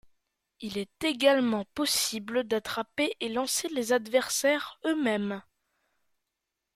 Il est également possible d'attraper et lancer les adversaires eux-mêmes.